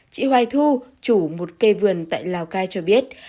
chị hoài thu chủ một cây vườn tại lào cai cho biết